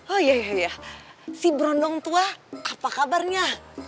oh iya si berondong tua apa kabarnya